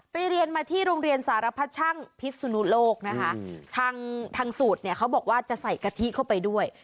เรียนมาที่โรงเรียนสารพัดช่างพิศนุโลกนะคะทางทางสูตรเนี่ยเขาบอกว่าจะใส่กะทิเข้าไปด้วย